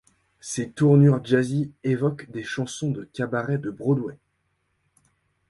Ces tournures jazzy évoquent des chansons de cabaret de Broadway.